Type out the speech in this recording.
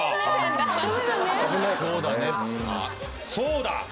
そうだ！